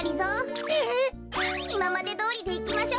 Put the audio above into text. いままでどおりでいきましょ。